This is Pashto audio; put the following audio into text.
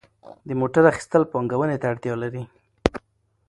د موټر اخیستل پانګونې ته اړتیا لري.